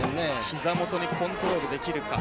膝元にコントロールできるか。